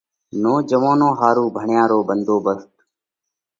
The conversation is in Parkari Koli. نوجوئونون ۿارُو ڀڻيا رو ٻڌوئي ڀنڌوڀست: